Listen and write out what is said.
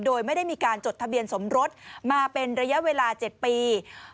โดยไม่ได้มีการจดทะเบียนสมรสมาเป็นระยะเวลา๗ปี